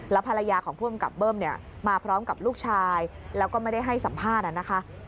ภรรยาของผู้กำกับเบิ้มเนี่ยมาพร้อมกับลูกชายแล้วก็ไม่ได้ให้สัมภาษณ์นะคะ